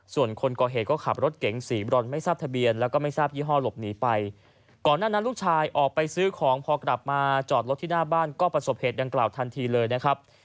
ส่วนคนก่อเหตุก็ขับรถเก๋งสีบรอนไม่ทราบทะเบียนแล้วก็ไม่ทราบยี่ห้อหลบหนีไปก่อนหน้านั้นลูกชายออกไปซื้อของพอกลับมาจอดรถที่หน้าบ้านก็ประสบเหตุดังกล่าวทันทีเลยนะครับ